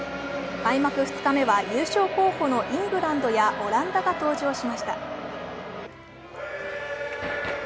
開幕２日目は優勝候補のイングランドやオランダが登場しました。